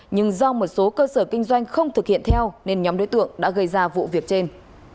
nhưng do một số cơ sở kinh doanh không thực hiện theo nên nhóm đối tượng đã gây ra vụ việc trên